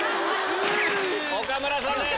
岡村さんです。